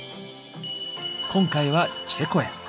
今回はチェコへ。